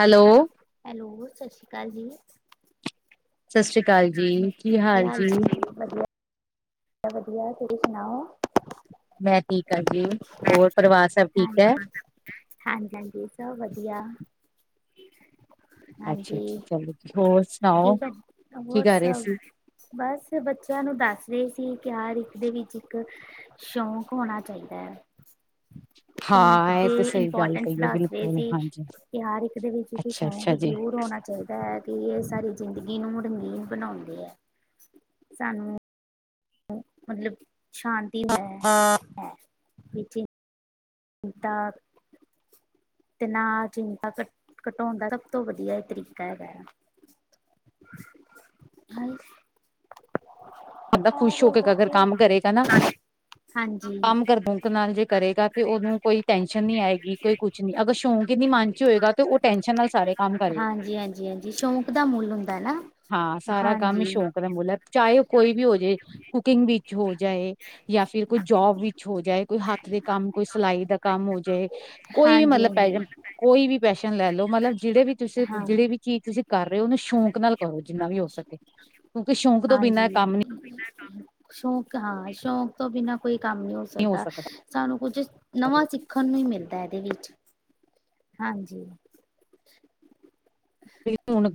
Hello hello ਸਤਿ ਸ੍ਰੀ ਅਕਾਲ ਜੀ। ਸਤਿ ਸ੍ਰੀ ਅਕਾਲ ਜੀ, ਕੀ ਹਾਲ ਜੀ। ਵਧੀਆ। ਵਧੀਆ, ਵਧੀਆ ਤੁਸੀਂ ਸੁਨਾਓ। ਮੈਂ ਠੀਕ ਆ ਜੀ, ਹੋਰ ਪਰਿਵਾਰ ਸਭ ਠੀਕ ਐ। ਹਾਂਜੀ ਹਾਂਜੀ, ਹਾਂਜੀ ਸਭ ਵਧੀਆ। ਅੱਛਾ ਹਾਂਜੀ, ਅੱਛਾ ਚਲੋ ਜੀ। ਹੋਰ ਸੁਣਾਓ, ਠੀਕ ਆ ਕੀ ਹੋਰ ਕਰ ਰਹੇ ਸਭ ਸੀ? ਬਸ, ਬੱਚਿਆਂ ਨੂੰ ਦੱਸ ਰਹੀ ਸੀ ਵੀ ਹਰ ਇੱਕ ਦੇ ਵਿੱਚ, ਇੱਕ ਸ਼ੌਂਕ ਹੋਣਾ ਚਾਈਦਾ ਐ। [inaudible] ਸ਼ੌਕ ਇਹ ਤੇ ਦੇ ਸਹੀ ਗੱਲ ਇੰਪੋਟਨਸ ਕਹੀਏ ਦੱਸ ਰਹੇ ਬਿਲਕੁਲ ਸੀ, ਹਾਂਜੀ, ਕਿ ਹਰ ਇੱਕ ਦੇ ਵਿੱਚ ਇੱਕ ਅੱਛਾ ਸ਼ੌਕ ਅੱਛਾ ਜੀ। ਜਰੂਰ ਹੋਣਾ ਚਾਈਦਾ ਐ ਕਿ ਐ ਸਾਰੀ ਜਿੰਦਗੀ ਨੂੰ ਰੰਗੀਨ ਬਨਾਂਓਦੇ ਆ। ਸਾਨੂੰ ਮਤਲਬ ਸ਼ਾਂਤੀ [unintelligible] ਤਾਂ ਤੇ ਨਾ ਚਿੰਤਾ ਘਟ, ਘਟਾਉਦਾ ਸਬ ਤੋਂ ਵਦੀਆ ਤਰੀਕਾ ਹੈਗਾ ਐ। [unintelligible] ਬੰਦਾ ਖੁਸ਼ ਹੋ ਕੇ ਅਗਰ ਕੰਮ ਕਰੇਗਾ ਨਾ ਹਾਂਜੀ, ਕੰਮ ਕਰ [unintelligible] ਨਾਲ ਜੇ ਕਰੇਗਾ ਤੇ ਓਨੂੰ ਕੋਈ ਟੈਨਸ਼ਨ ਨਈ ਆਏਗੀ ਕੋਈ ਕੁਝ ਅਗਰ ਸ਼ੌਕ ਈ ਨੀ ਮਨ ਚ ਹੋਏਗਾ ਤੋ ਉਹ ਟੈਸ਼ਨ ਨਾਲ ਸਾਰੇ ਕੰਮ ਕਰੇਗਾ। ਹਾਂਜੀ, ਹਾਂਜੀ ਸ਼ੌਂਕ ਦਾ ਮੁੱਲ ਹੁੰਦਾ ਨਾ। ਹਾਂ, ਸਾਰਾ ਕੰਮ ਈ ਹਾਂਜੀ, ਸ਼ੌਕ ਦਾ ਮੁਲ ਐ, ਚਾਏ ਓ ਕੋਈ ਵੀ ਹੋ ਜੇ ਕੁਕਿੰਗ ਵਿੱਚ ਹੋ ਜਾਏ ਯਾ ਫਿਰ ਕੋਈ ਜੋਬ ਵਿੱਚ ਹੋ ਜਾਏ, ਕੋਈ ਹੱਥ ਦੇ ਕੰਮ, ਕੋਈ ਸਲਾਈ ਦਾ ਕੰਮ ਹੋ ਜਾਏ ਕੋਈ ਵੀ ਮਤਲਬ ਪੈ ਹੂੰ। ਕੋਈ ਵੀ ਪੈਸ਼ਨ ਲੈ ਲੋ ਮਤਲਬ ਜਿਹੜੇ ਵੀ ਤੁਸੀ, ਹਾਂ, ਜਿਹੜੇ ਵੀ ਚੀਜ ਤੁਸੀਂ ਕਰ ਰਹੇ ਓ ਓਨੂੰ ਸ਼ੌਕ ਨਾਲ ਕਰੋ ਜਿੰਨਾ ਵੀ ਹੋ ਸਕੇ। ਕਿਓਕੇ ਸ਼ੌਕ ਤੋਂ ਬਿਨਾਂ ਹਾਂਜੀ। ਕੰਮ ਸ਼ੌਕ ਹਾਂ ਸ਼ੌਕ ਤੋਂ ਬਿਨਾਂ ਕੋਈ ਕੰਮ ਨੀ ਹੋ ਸਕਦਾ, ਸਾਨੂੰ ਕੁੱਝ, ਨਵਾਂ ਸਿੱਖ ਨੂੰ ਹੀ ਮਿਲਦਾ ਇਹਦੇ ਵਿੱਚ ਹਾਂਜੀ। ਵੀ ਹੁਣ।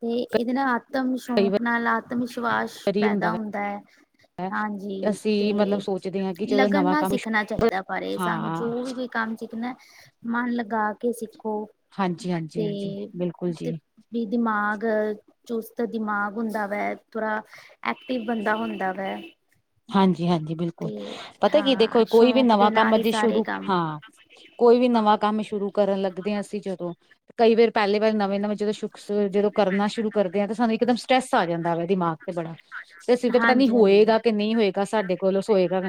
ਤੇ ਇਹਦੇ ਨਾਲ ਆਤਮ ਕਈ ਸ਼ੌਕ ਨਾਲ ਆਤਮ ਵਿਸ਼ਵਾਸ ਵਾਰੀ ਪੈਦਾ ਵੈ ਹੁੰਦਾ ਹੈ। ਹਾਂਜੀ ਤੇ ਅਸੀਂ ਮਤਲਬ ਸੋਚਦੇ ਹਾਂ ਕਿ ਚਲੋ ਲਗਨ ਨਵਾਂ ਨਾ ਕੰਮ ਸਿੱਖਣਾ ਚਾਹੀਦਾ ਹੈ। ਪਰ ਇਹ ਸਾਨੂੰ ਹਾਂ ਜੋ ਵੀ ਕੋਈ। ਕੰਮ ਸਿੱਖਣਾ ਏ ਮਨ ਲਗਾ ਕੇ ਸਿੱਖੋ ਹਾਂਜੀ ਹਾਂਜੀ ਤੇ ਹਾਂਜੀ ਬਿਲਕੁਲ ਜੀ ਵੀ ਦਿਮਾਗ ਚੁਸਤ ਦਿਮਾਗ ਹੁੰਦਾ ਵਾ ਥੋੜਾ ਐਕਟਿਵ ਬੰਦਾ ਹੁੰਦਾ ਵੇ। ਹਾਂਜੀ ਹਾਂਜੀ ਬਿਲਕੁਲ। ਪਤਾ ਕੀ ਹਾਂ ਦੇਖੋ ਕੋਈ ਵੀ ਸ਼ੌਕ ਦੇ ਨਵਾਂ ਨਾਲ ਕੰਮ ਹੀ ਅਜੇ ਸਾਰੇ ਸ਼ੁਰੂ ਕੰਮ ਹਾਂ ਕੋਈ ਵੀ ਨਵਾਂ ਕੰਮ ਸ਼ੁਰੂ ਕਰਨ ਲੱਗਦੇ ਆਂ ਅਸੀਂ ਜਦੋਂ, ਕਈ ਵਾਰ ਪੈਲੀ ਵਾਰ ਨਵੇਂ, ਨਵੇਂ ਜਦੋਂ ਕਰਨਾ ਸ਼ੁਰੂ ਕਰਦੇ ਆ ਤੇ ਸਾਨੂੰ ਇਕਦਮ ਸਟ੍ਰੈਸ ਆ ਜਾਂਦਾ ਵੇ ਦਿਮਾਗ ਤੇ ਬੜਾ ਫੇਰ ਅਸੀਂ ਤਾਂ ਪਤਾ ਨੀ ਹਾਂਜੀ ਹਾਂਜੀ ਹੋਏਗਾ ਕਿ ਨਹੀਂ ਹੋਏਗਾ ਸਾਡੇ ਕੋਲ ਸੌਏਗਾ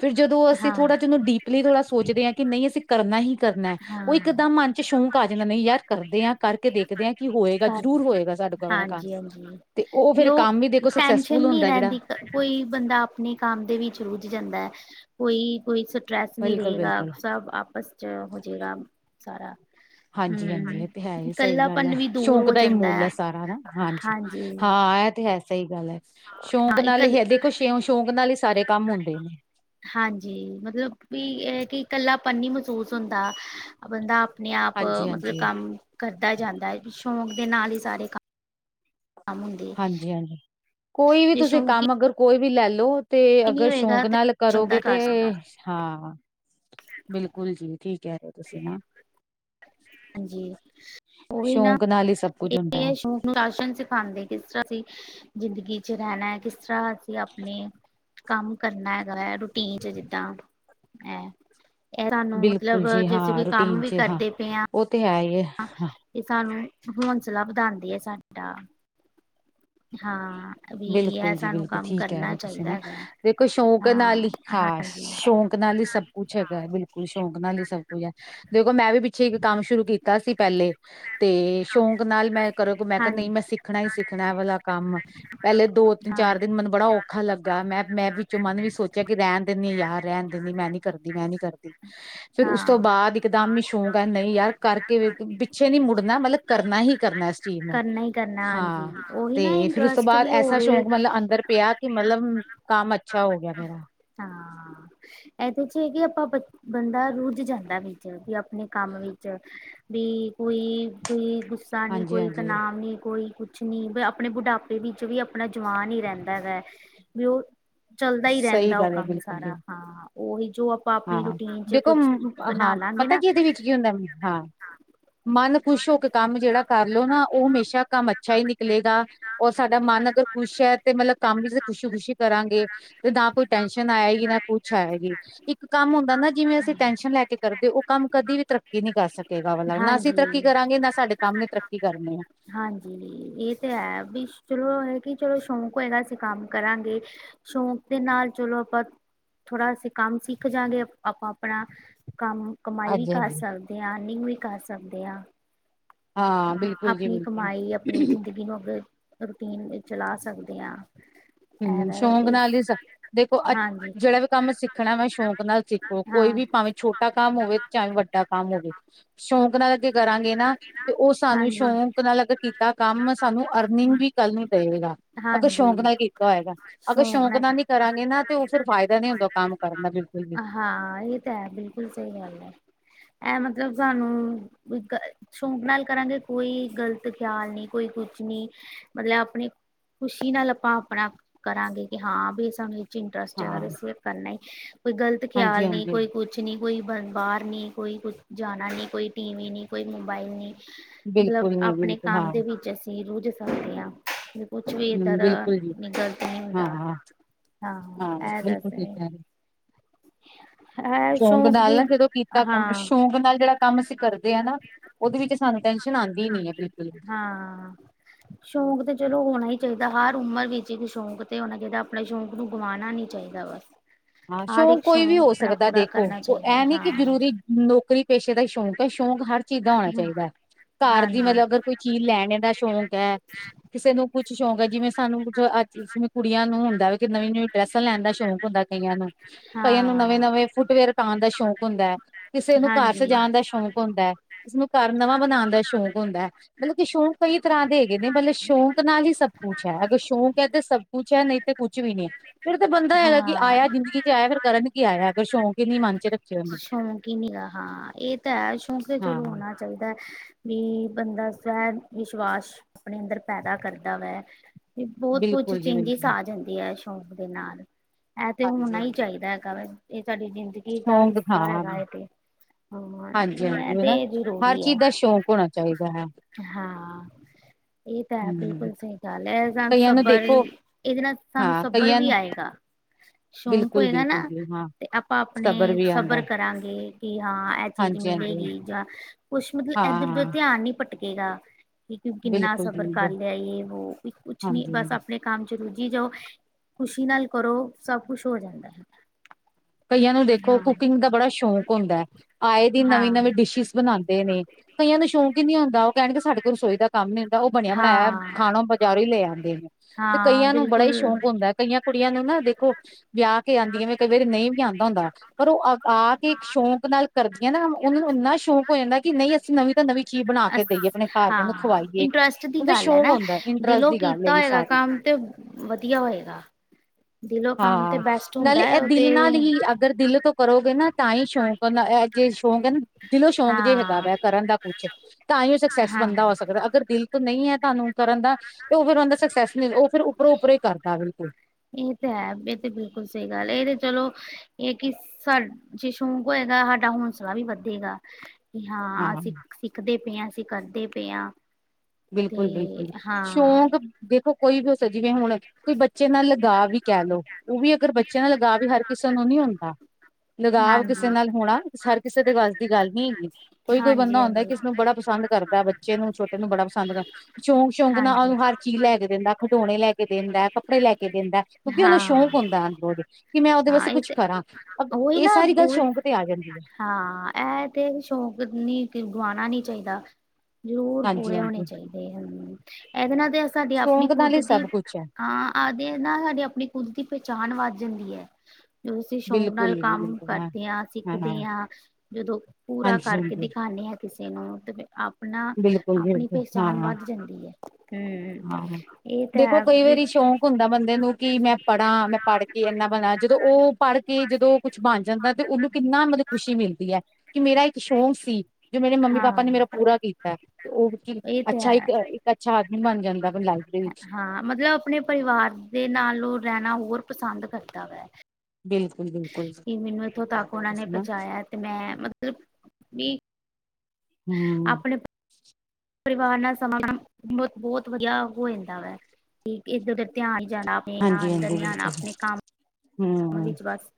ਫਿਰ ਜਦੋਂ ਅਸੀਂ ਹਾਂ ਥੋੜ੍ਹਾ ਜਿਹਾ ਉਹਨੂੰ ਡੀਪ ਲਈ ਥੋੜ੍ਹਾ ਸੋਚਦੇ ਹਾਂ। ਕਿ ਨਹੀਂ ਅਸੀਂ ਕਰਨਾ ਹੀ ਕਰਨਾ ਉਹ ਹਾਂ ਇੱਕਦਮ ਮਨ ਵਿੱਚ ਸ਼ੌਂਕ ਆ ਜਾਂਦਾ ਹੈ। ਨਹੀਂ ਯਾਰ ਕਰਦੇ ਹਾਂ। ਕਰਕੇ ਦੇਖਦੇ ਹਾਂ। ਕੀ ਹੋਏਗਾ ਘਰ ਜ਼ਰੂਰ ਹੋਏਗਾ ਸਾਡੇ ਕੋਲ ਇਹ ਵਾਲਾ ਕੰਮ ਹਾਂਜੀ ਹਾਂਜੀ ਤੇ ਉਹ ਫੇਰ ਕੰਮ ਵੀ ਦੇਖੋ ਟੈਨਸ਼ਨ ਸਕਸੈਸਫੁਲ ਨਹੀਂ ਹੁੰਦਾ ਜਿਹੜਾ। ਰਹਿੰਦੀ ਕੋਈ ਬੰਦਾ ਆਪਣੇ ਕੰਮ ਦੇ ਵਿੱਚ ਰੁੱਝ ਜਾਂਦਾ ਕੋਈ ਕੋਈ। ਸਟ੍ਰੈਸ ਨਹੀਂ ਰਹੇਗਾ। ਬਿਲਕੁਲ-ਬਿਲਕੁਲ ਸਭ ਆਪਸ 'ਚ ਹੋ ਜੇਗਾ ਸਾਰਾ। ਹਾਂਜੀ ਹੂੰ, ਹਾਂਜੀ ਇਹ ਤੇ ਹੈ ਹੀ ਸਹੀ ਗੱਲ ਏ। ਇਕੱਲਾਪਨ ਵੀ ਦੂਰ ਸ਼ੌਕ ਹੋ ਦਾ ਹੀ ਜਾਂਦਾ ਮੁੱਲ ਏ। ਐ। ਇਹ ਸਾਰਾ ਹਨਾ ਹਾਂਜੀ ਹਾਂ। ਹਾਂ ਇਹ ਤੇ ਹੈ। ਸਹੀ ਗੱਲ ਏ। ਸ਼ੌਂਕ ਹਾਂ ਨਾਲ ਹੀ ਇਕੱਲ ਹੈ ਦੇਖੋ। ਸ਼ ਸ਼ੌਕ ਨਾਲ ਹੀ ਸਾਰੇ ਕੰਮ ਹੁੰਦੇ ਨੇ। ਹਾਂਜੀ ਮਤਲਬ ਵੀ ਇਹ ਕਿ ਇਕੱਲਾਪਨ ਨਹੀਂ ਮਹਿਸੂਸ ਹੁੰਦਾ ਹੈ। ਬੰਦਾ ਆਪਣੇ ਆਪ ਹਾਂਜੀ ਮਤਲਬ ਹਾਂਜੀ ਕੰਮ ਕਰਦਾ ਜਾਂਦਾ ਏ। ਸ਼ੌਂਕ ਦੇ ਨਾਲ ਹੀ ਸਾਰੇ ਕੰਮ। ਹੁੰਦੇ। ਹਾਂਜੀ ਹਾਂਜੀ ਕੋਈ ਵੀ ਜੇ ਤੁਸੀਂ ਸ਼ੌਂਕ ਕੰਮ ਅਗਰ ਕੋਈ ਵੀ ਲੈ ਲਓ। ਤੇ ਹੀ ਨੀ ਅਗਰ ਹੋਏਗਾ ਸ਼ੌਕ ਤੇ ਨਾਲ ਬੰਦਾ ਕਰੋਗੇ ਕਰ ਤੇ ਸਕਦਾ, ਹਾਂ। ਬਿਲਕੁਲ ਜੀ ਠੀਕ ਕਹਿ ਰਹੇ ਹੋ ਤੁਸੀਂ ਨਾ। ਹਾਂਜੀ ਉਹੀ ਨਾ ਸ਼ੌਂਕ ਨਾਲ ਹੀ ਸਭ ਕੁੱਝ ਹੁੰਦਾ ਇਹ ਹੈ ਸ਼ੌਕ ਨੂੰ [unintelligible] ਕਿਸ ਤਰ੍ਹਾਂ ਅਸੀਂ ਜ਼ਿੰਦਗੀ 'ਚ ਰਹਿਣਾ ਹੈ। ਕਿਸ ਤਰ੍ਹਾਂ ਅਸੀਂ ਆਪਣੇ। ਕੰਮ ਕਰਨਾ ਹੈਗਾ ਏ। ਰੂਟੀਨ 'ਚ ਜਿੱਦਾਂ ਹੈ। ਇਹ ਸਾਨੂੰ ਬਿਲਕੁਲ ਮਤਲਬ। ਜੀ ਜੇ ਅਸੀਂ ਹਾਂ ਕੋਈ ਕੰਮ ਰੂਟੀਨ ਵੀ ਚ ਕਰਦੇ ਪਏ ਹਾਂ। ਉਹ ਤੇ ਹੈ ਹੀ ਏ। ਇਹ ਸਾਨੂੰ ਹੌਸਲਾ ਵਧਾਉਂਦੀ ਹੈ ਸਾਡਾ। ਹਾਂ। ਵੀ ਬਿਲਕੁਲ ਇਹ ਜੀ ਸਾਨੂੰ ਬਿਲਕੁਲ ਕੰਮ ਠੀਕ ਕਹਿ ਕਰਨਾ ਰਹੇ ਹੋ। ਤੁਸੀਂ ਚਾਹੀਦਾ ਹਨਾ ਹੈਗਾ ਦੇਖੋ ਸ਼ੌਕ ਨਾਲ ਹੀ ਹਾਂ ਸ਼ੌਕ। ਸ਼ੌਕ ਨਾਲ ਹੀ ਸਭ ਕੁਛ ਹੈਗਾ। ਬਿਲਕੁਲ ਸ਼ੌਕ ਨਾਲ ਹੀ ਸਭ ਕੁਝ ਹੈ। ਦੇਖੋ ਮੈਂ ਵੀ ਪਿੱਛੇ ਇੱਕ ਕੰਮ ਸ਼ੁਰੂ ਕੀਤਾ ਸੀ ਪਹਿਲੇ। ਤੇ ਸ਼ੌਂਕ ਨਾਲ ਮੈਂ ਘਰੋਂ ਮੈਂ ਕਿਹਾ ਨਹੀਂ ਹਾਂਜੀ ਮੈਂ ਸਿੱਖਣਾ ਈ ਸਿੱਖਣਾ ਇਹ ਵਾਲਾ ਕੰਮ। ਪਹਿਲੇ ਦੋ ਤਿੰਨ ਹਾਂ ਚਾਰ ਦਿਨ ਮੈਨੂੰ ਬੜਾ ਔਖਾ ਲੱਗਾ ਮੈਂ ਮੈਂ ਵਿੱਚੋਂ ਮਨ ਵੀ ਸੋਚਿਆ ਕਿ ਰਹਿਣ ਦਿੰਦੀ ਹਾਂ ਯਾਰ ਰਹਿਣ ਦਿੰਦੀ ਮੈਂ ਨੀ। ਕਰਦੀ [unintelligible] ਨੀ ਕਰਦੀ। ਫੇਰ ਉਸ ਤੋਂ ਹਾਂ ਬਾਅਦ ਇੱਕਦਮ ਸ਼ੌਕ ਏ। ਨਹੀਂ ਯਾਰ ਕਰਕੇ ਪਿੱਛੇ ਨੀ ਮੁੜਨਾ ਮਤਲਬ। ਕਰਨਾ ਹੀ ਕਰਨਾ ਇਸ ਚੀਜ਼ ਨੂੰ। ਵੀ ਕਰਨਾ ਹਾਂਜੀ ਹਾਂ ਉਹੀ ਨਾ ਇੰਟਰਸਟ। ਪਰ ਵੀ ਐਸਾ ਹੋਵੇ ਸ਼ੌਂਕ ਮਤਲਬ ਅੰਦਰ ਪਿਆ ਕਿ ਮਤਲਬ ਕੰਮ ਅੱਛਾ ਹੋ ਗਿਆ ਮੇਰਾ। ਹਾਂ। ਇਹਦੇ 'ਚ ਹੈ ਕਿ ਆਪਾਂ ਬ ਬੰਦਾ ਰੁਝ ਜਾਂਦਾ ਵਿੱਚ ਵੀ ਆਪਣੇ ਕੰਮ ਵਿੱਚ। ਵੀ ਕੋਈ ਕੋਈ ਗੁੱਸਾ ਨੀ, ਹਾਂਜੀ ਕੋਈ ਹਾਂਜੀ ਤਨਾਵ, ਨੀ ਕੋਈ। ਕੁਛ ਨਹੀਂ ਫੇਰ ਆਪਣੇ ਬੁਢਾਪੇ ਵਿੱਚ ਵੀ ਆਪਣਾ ਜਵਾਨ ਹੀ ਰਹਿੰਦਾ ਹੈਗਾ ਵੀ ਉਹ। ਚੱਲਦਾ ਹੀ ਸਹੀ ਰਹਿੰਦਾ ਉਹ ਗੱਲ ਹੈ ਕੰਮ ਬਿਲਕੁਲ ਜੀ ਸਾਰਾ ਹਾਂ ਉਹੀ ਜੋ। ਆਪਣੀ ਹਾਂ ਰੂਟੀਨ ਚ ਦੇਖੋ ਕੁਛ ਹਾਂ ਬਣਾ ਲਾਂਗੇ ਪਤਾ ਨਾ ਕੀ ਇਹਦੇ ਵਿੱਚ ਕੀ ਹੁੰਦਾ ਹਾਂ ਮਨ ਖੁਸ਼ ਹੋ ਕੇ ਕੰਮ ਜਿਹੜਾ ਕਰਲੋ ਨਾ ਉਹ ਹਮੇਸ਼ਾ ਕੰਮ ਅੱਛਾ ਹੀ ਨਿਕਲੇਗਾ ਔਰ ਸਾਡਾ ਮਨ ਅਗਰ ਖੁਸ਼ ਹੈ ਤੇ ਮਤਲਬ ਕੰਮ ਵੀ ਅਂ ਖੁਸ਼ੀ ਖੁਸ਼ੀ ਕਰਾਂਗੇ ਤੇ ਨਾ ਕੋਈ ਟੈਨਸ਼ਨ ਆਏਗੀ ਨਾ ਕੁੱਛ ਆਏਗੀ ਇੱਕ ਕੰਮ ਹੁੰਦਾ ਨਾ ਜਿਵੇਂ ਅਸੀਂ ਟੈਂਸ਼ਨ ਲੈ ਕੇ ਕਰਦੇ ਉਹ ਕੰਮ ਕਦੇ ਵੀ ਤੱਕੀ ਕਰ ਸਕੇਗਾ ਮਤਲਬ ਨਾ ਅਸੀਂ ਤਰੱਕੀ ਹਾਂਜੀ ਕਰਾਂਗੇ ਨਾ ਸਾਡੇ ਕੰਮ ਵੀ ਤਰੱਕੀ ਕਰਨੇ ਆ ਹਾਂਜੀ ਇਹ ਤੇ ਹੈ ਵੀ ਚਲੋ ਹੈਗੀ ਚਲੋ ਸ਼ੌਂਕ ਹੋਏਗਾ ਅਸੀਂ ਕੰਮ ਕਰਾਂਗੇ ਸ਼ੌਕ ਦੇ ਨਾਲ ਚਲੋ ਆਪਾਂ ਥੋੜਾ ਅਸੀਂ ਕੰਮ ਸਿੱਖ ਜਾਂਗੇ, ਆਪਾਂ-ਆਪਣਾ ਕੰਮ ਕਮਾਈ ਵੀ ਹਾਂਜੀ ਕਰ ਹਾਂਜੀ ਸਕਦੇ ਆਂ, ਅਰਨਿੰਗ ਵੀ ਕਰ ਸਕਦੇ ਹਾਂ। ਹਾਂ ਬਿਲਕੁਲ ਜੀ ਆਪਣੀ ਬਿਲਕੁਲ ਕਮਾਈ ਆਪਣੀ ਜ਼ਿੰਦਗੀ ਨੂੰ ਅੱਗੇ ਰੂਟੀਨ ਚਲਾ ਸਕਦੇ ਹਾਂ ਹਮ ਐਵੇਂ ਸ਼ੌਕ ਵੀ ਨਾਲ ਹੀ ਸ ਦੇਖੋ ਅ ਹਾਂਜੀ ਜਿਹੜਾ ਵੀ ਕੰਮ ਸਿੱਖਣਾ ਮੈਂ ਸ਼ੌਕ ਨਾਲ ਸਿੱਖੋ ਹਾਂ ਕੋਈ ਵੀ ਭਾਵੇਂ ਛੋਟਾ ਕੰਮ ਹੋਵੇ ਚਾਵੇ ਵੱਡਾ ਕੰਮ ਹੋਵੇ ਸ਼ੌਕ ਨਾਲ ਅੱਗੇ ਕਰਾਂਗੇ ਨਾ ਤੇ ਉਹ ਸਾਨੂੰ ਹਾਂਜੀ ਸ਼ੌਕ ਨਾਲ ਅਗਰ ਕੀਤਾ। ਕੰਮ ਸਾਨੂੰ ਅਰਨਿੰਗ ਵੀ ਕੱਲ ਨੂੰ ਦੇਵੇਗਾ ਅਗਰ ਸ਼ੌਂਕ ਹਾਂਜੀ ਨਾਲ। ਕੀਤਾ ਹੋਏਗਾ ਅਗਰ ਸ਼ੌਂਕ ਨਾਲ ਨੀ ਕਰਾਂਗੇ ਨਾ ਤੇ ਉਹ ਫਿਰ ਫਾਇਦਾ ਨਹੀਂ ਹੁੰਦਾ ਕੰਮ ਕਰਨ ਦਾ ਬਿਲਕੁਲ ਵੀ। ਹਾਂ ਇਹ ਤਾਂ ਹੈ ਬਿਲਕੁਲ ਸਹੀ ਗੱਲ ਏ। ਐ ਮਤਲਬ ਸਾਨੂੰ, ਇੱਕ ਸ਼ੌਕ ਨਾਲ ਕਰਾਂਗੇ, ਕੋਈ ਗ਼ਲਤ ਖਿਆਲ ਨਹੀਂ ਕੋਈ ਕੁਛ ਨੀ, ਮਤਲਬ ਆਪਣੀ ਖੁਸ਼ੀ ਨਾਲ ਆਪਾਂ-ਆਪਣਾ ਕਰਾਂਗੇ ਕਿ ਹਾਂ, ਬਈ ਸਾਨੂੰ ਚ ਇੰਟਰਸਟ ਹੈਗਾ ਹਾਂ [unintelligible] ਕੋਈ ਗਲਤ ਹਾਂਜੀ ਖਿਆਲ ਨੀ, ਹਾਂਜੀ ਕੋਈ ਕੁ ਕੁਛ ਨਹੀਂ, ਕੋਈ ਬ ਬਾਹਰ ਨਹੀਂ, ਕੋਈਛ ਜਾਣਾ ਨਹੀਂ, ਕੋਈ ਟੀਵੀ ਨਹੀਂ, ਕੋਈ ਮੋਬਾਈਲ ਨਹੀਂ ਮਤਲਬ, ਬਿਲਕੁਲ ਨੀ ਆਪਣੇ ਬਿਲਕੁਲ ਕੰਮ ਹਾਂ ਦੇ ਵਿੱਚ ਅਸੀਂ ਰੁਝ ਸਕਦੇ ਹਾਂ। ਕੁਛ ਵੀ ਏਦਾਂ ਹੂੰ ਦਾ, ਬਿਲਕੁਲ ਜੀ ਗਲਤ ਨਹੀਂ ਹੁੰਦਾ। ਹਾਂ ਹਾਂ, ਇਹ ਬਿਲਕੁਲ ਦੱਸ ਠੀਕ ਕਹਿ ਰਹੇ ਇਹ ਸ਼ੌਂਕ ਸ਼ੌਕ ਨਾਲ ਦੀ ਨਾ ਜਦੋਂ ਕੀਤਾ ਕੰਮ, ਹਾਂ ਸ਼ੌਂਕ ਨਾਲ ਜਿਹੜਾ ਕੰਮ ਅਸੀਂ ਕਰਦੇ ਹਾਂ, ਨਾ ਉਹਦੇ ਵਿੱਚ ਸਾਨੂੰ ਟੈਨਸ਼ਨ ਆਂਦੀ ਹੀ ਨੀ ਹੈ, ਪੀ [inaudible] ਸ਼ੌਕ ਤੇ ਚਲੋ ਹੋਣਾ ਹੀ ਚਾਹੀਦਾ, ਹਰ ਉਮਰ ਵਿੱਚ ਇੱਕ ਸ਼ੌਕ ਤੇ ਹੋਣਾ ਚਾਹੀਦਾ। ਆਪਣੇ ਸ਼ੌਕ ਨੂੰ ਗਵਾਉਣਾ ਨੀ ਚਾਹੀ ਅਦਾ ਬਸ। ਹਾਂ ਹਰ ਸ਼ੋਕ ਇੱਕ ਕੋਈ ਵੀ ਸ਼ੌਂਕ ਹੋ ਆਪਣਾ ਸਕਦਾ ਪੂਰਾ ਦੇਖੋ, ਕਰਨਾ ਚਾਹੀਦਾ ਐ ਹੈ ਨੀ ਕੀ ਹਾਂ ਜ਼ਰੂਰੀ ਨੌਕਰੀ ਪੇਸ਼ੇ ਦਾ ਹੀ ਸ਼ੌਂਕ ਏ, ਸ਼ੌਕ ਹਰ ਚੀਜ਼ ਦਾ ਹੋਣਾ ਚਾਹੀਦਾ, ਘਰ ਦੀ ਹਾਂਜੀ ਮਤਲਬ ਅਗਰ ਕੋਈ ਚੀਜ਼ ਲੈਣੇ ਦਾ ਸ਼ੌਂਕ ਐ ਕਿਸੇ ਨੂੰ ਕੁੱਛ ਸ਼ੌਂਕ ਹੈ, ਜਿਵੇਂ ਸਾਨੂੰ ਕੁਛ ਅੱਜ ਜਿਵੇਂ ਕੁੜੀਆਂ ਨੂੰ ਹੁੰਦਾ ਵਾ, ਕਿ ਨਵੀਆਂ-ਨਵੀਆਂ ਡਰੈਸਾਂ ਲੈਣ ਦਾ ਸ਼ੌਂਕ ਹੁੰਦਾ ਕਈਆ ਨੂੰ, ਕਈਆਂ ਨੂੰ ਹਾਂ ਨਵੇਂ-ਨਵੇਂ ਫੁੱਟਵੇਅਰ ਪਾਣ ਦਾ ਸ਼ੌਂਕ ਹੁੰਦਾ, ਕਿਸੇ ਨੂੰ ਘਰ ਹਾਂਜੀ ਸਜਾਉਣ ਦਾ ਸ਼ੌਕ ਹੁੰਦਾ, ਕਿਸੇਨੂੰ ਘਰ ਨਵਾਂ ਬਨਾਣ ਦਾ ਸ਼ੌਕ ਹੋਂਦਾ। ਮਤਲਬ ਕਿ ਸ਼ੌਕ ਕਈ ਤਰ੍ਹਾਂ ਦੇ ਹੈਗੇ ਨੇ, ਮਤਲਬ ਸ਼ੌਕ ਨਾਲ ਹੀ ਸਭ ਕੁਛ ਹੈ, ਅਗਰ ਸ਼ੌਕ ਹੈ ਤੇ ਸਭ ਕੁੱਛ ਹੈ, ਨਹੀਂ ਤੇ ਕੁਛ ਵੀ ਨੀ, ਫਿਰ ਤੇ ਬੰਦਾ ਹੈਗਾ ਕੀ ਹਾਂ ਆਇਆ ਜ਼ਿੰਦਗੀ 'ਚ ਆਇਆ। ਫਿਰ ਕਰਨ ਕੀ ਆਇਆ, ਅਗਰ ਸ਼ੌਂਕ ਹੀ ਨੀ ਮਨ'ਚ ਰੱਖੇ ਉਹਨ ਸ਼ੌਂਕ ਹੀ ਨੀ ਗਾ, ਹਾਂ ਇਹ ਤ ਹੈ ਸ਼ੌਕ ਹਾਂ ਚਲੋ ਹੋਣਾ ਚਾਹੀਦਾ, ਵੀ ਬੰਦਾ ਸਵੈ- ਵਿਸ਼ਵਾਸ ਆਪਣੇ ਅੰਦਰ ਪੈਦਾ ਕਰਦਾ ਵੈ‌। ਇਹ ਬਹੁਤ ਕੁਛ ਬਿਲਕੁਲ ਜੀ ਚੇਂਜਿਸ ਬਿਲਕੁਲ ਆ ਜਾਂਦੇ ਆ, ਸ਼ੌਕ ਦੇ ਨਾਲ। ਐ ਤੇ ਹਾਂਜੀ ਹੋਣਾ ਹੀ ਹਾਂਜੀ ਚਾਹੀਦਾ ਹੈਗਾ ਵਾ, ਇਹ ਸਾਡੀ ਜ਼ਿੰਦਗੀ ਦਗੀ ਦਾ ਸ਼ੌਕ ਹਿੱਸਾ ਹੈਗਾ ਇਹ ਤੇ, ਹਾਂਂ ਹਾਂਜੀ, ਹਾਂਜੀ, ਓਨਾ ਹਰ ਚੀਜ਼ ਦਾ ਸ਼ੌਕ ਹੋਣਾ ਚਾਹੀਦਾ ਹੈ। ਹਾ। ਇਹ ਤਾਂ ਹੈ ਹੂੰ ਬਿਲਕੁਲ ਸਹੀ ਗੱਲ ਹੈ, ਸ ਕਈਆਂ ਨੂੰ ਸੱਬਰ ਦੇਖੋ ਇਹਦੇ ਨਾਲ ਸਾਨੂੰ ਹਾਂ ਸੱਬਰ ਕਈਆਂ ਵੀ ਨੂੰ ਆਏਗਾ। ਸ਼ੌਂਕ ਹੋਏਗਾ ਬਿਲਕੁਲ-ਬਿਲਕੁਲ ਨਾ, ਜੀ ਹਾਂ ਤੇ ਆਪਾ-ਆਪਣੇ ਵੀ ਸਬਰ ਆਂਦਾ ਕਰਾਂਗੇ, ਕਿ ਹਾਂ, ਇਹ ਚੀਜ਼ ਹਾਂਜੀ-ਹਾਂਜੀ ਮਿਲੇਗੀ ਜਾ, ਕੁਛ ਮਤਲਬ ਇੱਧਰ-ਉੱਧਰ ਹਾਂ ਧਿਆਨ ਨੀ ਭਟਕੇਗਾ। ਕਿਉਕੀ ਕਿ ਕਿੰਨਾ ਬਿਲਕੁਲ ਸਫ਼ਰ ਜੀ ਕਰ ਲਿਆ ਯੇ ਵੋ, ਕੁਛ ਨੀ ਬਸ ਹਾਂਜੀ-ਹਾਂਜੀ ਆਪਨੇ ਕੰਮ'ਚ ਰੁਝੀ ਜਾਓ, ਖੁਸ਼ੀ ਨਾਲ ਕਰੋ ਸਭ ਕੁਛ ਹੋ ਜਾਂਦਾ। ਕਈਆਂ ਨੂੰ ਦੇਖੋ, ਹਾਂ ਕੁਕਿੰਗ ਦਾ ਬੜਾ ਸ਼ੌਂਕ ਹੋਂਦਾ, ਆਏ ਦੀਨ ਹਾਂ ਨਵੀਂ-ਨਵੀ ਡਿਸ਼ਿਸ ਬਣਾਉਂਦੇ ਨੇ। ਕਈਆਂ ਨੂੰ ਸ਼ੌਂਕ ਹੀ ਨਹੀਂ ਹੁੰਦਾ ਉਹ ਕਹਿਣਗੇ ਸਾਡੇ ਕੋਲ ਰਸੋਈ ਦਾ ਕੰਮ ਨਈ ਹੁੰਦਾ, ੳਹ ਬਣਿਆ-ਬਣਾਇਆ ਹਾਂ ਖਾਣਾ ਬਾਜ਼ਾਰੋਂ ਹੀ ਲੇ ਆਂਦੇ ਨੇ। ਤੇ ਹਾਂ ਕਈਆਂ ਨੂੰ ਬੜਾ ਹੀ ਬਿਲਕੁਲ ਸ਼ੌਕ ਹੁੰਦਾ, ਕਈਆਂ ਕੁੜੀਆਂ ਨੂੰ ਨਾ ਦੇਖੋ ਵਿਆਹ ਕੇ ਆਉਂਦੀਆਂ ਨੇ, ਕਈ ਵਾਰੀ ਨਹੀਂ ਆਉਂਦਾ ਹੁੰਦਾ, ਪਰ ਉਹ ਆ ਕੇ ਸ਼ੌਂਕ ਨਾਲ ਕਰਦੀਆਂ ਨਾ, ਉਹਨਾਂ ਨੂੰ ਇੰਨਾ ਸ਼ੌਂਕ ਹੋ ਜਾਂਦਾ ਕਿ ਨਹੀਂ ਅਸੀਂ ਨਵੀਂ ਤੋ ਨਵੀਂ ਚੀਜ਼ ਬਣਾ ਕੇ ਅਸ ਦੇਈਏ, ਆਪਣੇ ਘਰਦੇ ਨੂੰ ਹਾਂ ਖਵਾਈਏ, ਇੰਟਰਸਟ ਦੀ ਉਹਦਾ ਗੱਲ ਹੈ ਸ਼ੌਕ ਨਾ ਹੁੰਦਾ। ਇੰਟਰਸਟ ਦਿਲੋਂ ਦੀ ਗੱਲ ਕੀਤਾ ਹੈਗੀ ਹੋਏਆ ਸਾਰੀ। ਕੰਮ, ਤੇ ਵਧੀਆ ਹੋਏਗਾ। ਦਿਲੋ ਕੰਮ ਤੇ ਹਾਂ ਬੈਸਟ ਨਾਲੇ ਹੁੰਦਾ, ਇਹ ਉਹ ਤੇ ਦਿਲ ਨਾਲ ਹੀ ਅਗਰ ਦਿਲ ਤੋਂ ਕਰੋਗੇ ਨਾ, ਤਾਂ ਹੀ ਸ਼ੌਂਕ ਹੁੰਦਾ, ਜੇ ਸ਼ੌਂਕ ਹੈ ਨਾ ਦਿਲੋਂ ਸ਼ੌਂਕ ਜੇ ਹੈਗਾ ਹਾਂ ਵਾ ਕਰਨ ਦਾ ਕੁਛ, ਤਾਂ ਹੀ ਉਹ ਸਕਸੈਸ ਹਾਂ ਬੰਦਾ ਹੋ ਸਕਦਾ, ਅਗਰ ਦਿਲ ਨਹੀਂ ਹੈ ਤੁਹਾਨੂੰ ਕਰਨ ਦਾ, ਤੇ ਉਹ ਫਿਰ ਉਹ ਦਾ ਸਕਸੈਸ ਨਹੀਂ ਉਹ ਫ਼ਿਰ ਉੱਪਰੋਂ-ਉੱਪਰੋਂ ਹੀ ਕਰਦਾ ਬਿਲਕੁਲ। ਇਹ ਤਾ ਹੈ, ਇਹ ਤੇ ਬਿਲਕੁਲ ਸਹੀ ਗੱਲ, ਇਹ ਤੇ ਚਲੋ ਇਹ ਕਿਸ ਸਾ ਜੇ ਸ਼ੌਕ ਹੋਏਗਾ ਸਾਡਾ ਹੌਸਲਾ ਵੀ ਵੱਧੇਗਾ। ਕਿ ਹਾਂ, ਅਸੀਂ ਸਿੱਖਦੇ ਪਏ ਆਂ, ਅਸੀਂ ਕਰਦੇ ਪਏਆ। ਬਿਲਕੁਲ, ਬਿਲਕੁਲ ਸ਼ੌਕ ਦੇਖੋ ਕੋਈ ਵੀ ਹੋ, ਜਿਵੇਂ ਹੁਣ ਕੋਈ ਬੱਚੇ ਨਾਲ ਲਗਾਵ ਈ ਕਹਿਲੋ, ਉਹ ਵੀ ਅਗਰ ਬੱਚੇ ਨਾਲ ਲਗਾਵ ਵੀ ਹਰ ਕਿਸੇ ਨੂੰ ਨਹੀਂ ਹੁੰਦਾ। ਲਗਾਵ ਕਿਸੇ ਹਾਂਜੀ ਨਾਲ ਹੋਣਾ, ਹਰ ਕਿਸੇ ਦੇ ਗੱਸ ਦੀ ਗੱਲ ਨਹੀਂ ਹੈਗੀ। ਕੋਈ-ਕੋਈ ਹਾਂਜੀ ਬੰਦਾ ਹੁੰਦਾ ਹਾਂਜੀ ਕਿਸਨੁੰ ਬੜਾ ਪਸੰਦ ਕਰਦਾ, ਬੱਚੇ ਨੂੰ ਛੋਟੇ ਨੂੰ, ਬੜਾ ਪਸੰਦ ਸ਼ੌਂਕ-ਸ਼ੌਂਕ ਹਾਂਜੀ ਨਾਲ ਹਰ ਚੀਜ਼ ਲੈਕੇ ਦਿੰਦਾ, ਖਡੋਣੇ ਲੈਕੇ ਦਿੰਦਾ ਕੱਪੜੇ ਲੈ ਕੇ ਦੀਦਾ, ਕਿਉਂਕਿ ਉਹਨੂੰ ਹਾਂ ਸ਼ੌਂਕ ਹੁੰਦਾ ਅੰਦਰੋ ਦੀ, ਕੀ ਮੈਂ ਉਹਦੇ ਹਾਂ ਵਾਸਤੇ ਇਹ ਕੁੱਛ ਤੇ ਕਰਾਂ। ਅਰ, ਉਹੀ ਇਹ ਨਾ ਸਾਰੀ ਗੱਲ ਉਹੀ ਸ਼ੌਂਕ ਤੇ ਆ ਜਾਂਦੀ ਹੈ ਹਾਂ, ਇਹ ਤੇ ਸ਼ੌਕ ਨੀ ਗਾਉਣਾ ਨੀ ਚਾਹੀਦਾ। ਜ਼ਰੂਰ ਹਾਂਜੀ ਪੂਰੇ ਹੋਣੇ ਹਾਂਜੀ। ਚਾਹੀਦੇ ਹਨ, ਇਹਦੇ ਨਾਲ ਤੇ ਸਾਡੀ ਆਪਣੀ ਸ਼ੌਂਕ ਨਾਲ ਖੁਦ ਹੀ ਦੀ, ਸਭ ਕੁਛ ਹੈ ਹਾਂ ਆਖਦੇ ਹੈ ਨਾ, ਸਾਡੀ ਆਪਣੀ ਖੁਦ ਦੀ ਪਹਿਚਾਣ ਵੱਧ ਜਾਂਦੀ ਹੈ ਜੋ ਅਸੀਂ ਸ਼ੌਕ ਨਾਲ ਬਿਲਕੁਲ ਜੀ ਕੰਮ ਬਿਲਕੁਲ ਹਾਂ ਕਰਦੇ ਆਂ, ਹਾਂ। ਹਾਂ, ਸਿੱਖਦੇ ਆਂ। ਜਦੋਂ ਪੂਰਾ ਹਾਂਜੀ ਕਰਕੇ ਹਾਂਜੀ ਦਿਖਾਨੇ ਆਂ, ਕਿਸੇ ਨੂੰ ਤੇ ਆਪਣਾ ਬਿਲਕੁਲ ਆਪਣੀ ਬਿਲਕੁਲ ਹਾਂ ਪਹਿਚਾਣ ਹਾਂ। ਵੱਧ ਜਾਂਦੀ ਹੈ, ਹੂ ਹਾਂ। ਦੇਖੋ ਕਈ ਵਾਰੀ ਸ਼ੌਕ ਹੂ ਹੁੰਦਾ ਬੰਦੇ ਨੂੰ, ਕਿ ਮੈਂ ਪੜ੍ਹਾਂ ਮੈਂ ਪੜ੍ਹ ਕੇ ਇੰਨਾ ਬਣਾ, ਜਦੋਂ ਉਹ ਪੜ੍ਹ ਕੇ ਜਦੋਂ ਕੁਛ ਬਣ ਜਾਂਦਾ ਤੇ, ਉਹਨੂੰ ਕਿੰਨਾ, ਮਤਲਬ ਖੁਸ਼ੀ ਮਿਲਦੀ ਹੈ, ਕਿ ਮੇਰਾ ਇੱਕ ਸ਼ੌਕ ਸੀ, ਜੋ ਮੇਰੇ ਮੰਮੀ ਪਾਪਾ ਹਾਂ ਨੇ ਮੇਰਾ ਪੂਰਾ ਕੀਤਾ। ਤੇ ਉਹ, ਇਹ ਤਾਂ ਅੱਛਾ ਇੱਕ ਹੈ ਇੱਕ ਅੱਛਾ ਆਦਮੀ ਬਣ ਜਾਂਦਾ, ਆਪਣੀ ਲਾਈਫ ਦੇ ਵਿੱਚ। ਹਾਂ ਮਤਲਬ, ਆਪਣੇ ਪਰਿਵਾਰ ਦੇ ਨਾਲ ਉਹ ਰਹਿਣਾ ਹੋਰ ਪਸੰਦ ਕਰਦਾ ਵੈ। ਬਿਲਕੁਲ ਬਿਲਕੁਲ ਕੀ ਮੈਨੂੰ ਇੱਥੋਂ ਤੱਕ ਉਹਨਾਂ ਨੇ ਨਾ ਪਹੁੰਚਾਇਆ, ਤੇ ਮੈਂ ਮਤਲਬ ਵੀ ਹੂ ਆਪਣੇ ਪਰਿਵਾਰ ਨਾਲ ਸਮਾਂ ਬਤ ਬਹੁਤ ਵਧੀਆ ਹੋ ਜਾਂਦਾ ਵੈ, ਕਿ ਇੱਧਰ ਉਧਰ ਧਿਆਨ ਜਾਣਾ ਏ ਣਾ, ਅੰਦਰ ਨੀ ਆਉਣਾ, ਆਪਣੇ ਕੰਮ ਹੁ ਹੁ ਵਿੱਚ ਬਸ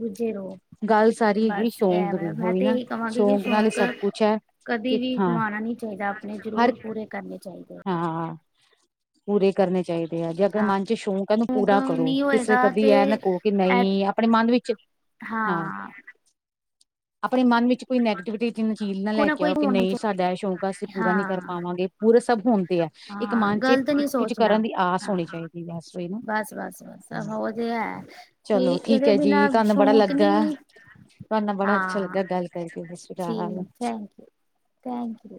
ਰੁੱਝੇ ਰਹੋ ਗੱਲ ਸਾਰੀ ਹੈਗੀ ਬਸ ਇਹ ਸ਼ੌਂਕ ਦੀ ਵੈ ਔ ਮੈਂ ਹੀ ਤੇ ਨਾ ਇਹੀ ਕਹਾਂਗੀ ਕਿ ਸ਼ੌਕ ਨਾਲ ਹੀ ਸਭ ਕੁਛ ਹੈ। ਕਦੇ ਕਿ ਵੀ ਹਾਂ ਗਵਾਉਣਾ ਨਹੀ ਚਾਹੀਦਾ, ਆਪਣੇ ਹਰ ਜ਼ਰੂਰ ਪੂਰੇ ਕਰਨੇ ਚਾਹੀਦੇ। ਹਾਂ, ਪੂਰੇ ਕਰਨੇ ਚਾਹੀਦੇ ਆ, ਜੇ ਅਗਰ ਹਾਂ ਮਨ ਚ ਸ਼ੌਕ ਹੈਨਾ ਪੂਰਾ ਕਰੋ, ਨਹੀਂ ਕਿਸੇ ਹੋਏਗਾ ਕਦੀ ਤੇ ਇਹ ਨਾ ਕਹੋ, ਕਿ ਐ ਨਹੀਂ ਆਪਣੇ ਮਨ ਵਿੱਚ ਹਾਂ ਆਪਣੇ ਮਨ ਵਿੱਚ ਕੋਈ ਨੈਗਟਿਵਿਟੀ ਜਿੰ ਚੀਜ਼ ਨਾਲ ਕੋਈ ਲੈ ਨਾ ਕੇ ਕੋਈ ਆਓ, ਕਿ ਹੋਣਾ ਨਹੀਂ ਚਾਹੀਦਾ ਸਾਡਾ ਇਹ ਸ਼ੌਕ ਅਸੀਂ ਪੂਰਾ ਨਹੀਂ ਕਰ ਹਾਂ ਪਾਵਾਂਗੇ, ਪੂਰਸ ਚ ਹੁੰਦੀ ਹੈ, ਇੱਕ ਹਾਂ ਮਨ ਚ ਗ਼ਲਤ ਨਹੀਂ ਇੱਕ ਕੁੱਝ ਸੋਚਣਾ ਕਰਨ ਦੀ ਆਸ ਹਾਂ। ਹੋਣੀ ਚਾਹੀਦੀ ਹੈ, ਬਸ ਔ ਹੀ ਨਾ। ਬਸ ਬਸ ਬਸ ਉਹ ਤੇ ਹੈ ਵੀ ਚਲੋ ਠੀਕ ਇਹਦੇ ਹੈ ਜੀ, ਬਿਨਾਂ ਤੁਹਾਨੂੰ ਬੜਾ ਸ਼ੌਕ ਨੀ ਲੱਗਾਏ ਐ ਤਿਹਾਨੇ ਨਾਲ ਬੜਾ ਅੱਛਾ ਹਾਂ ਲੱਗਾ ਗੱਲ ਕਰਕੇ, ਸਤਿ ਸ਼੍ਰੀ ਜੀ ਅਕਾਲ। Thank you, thank you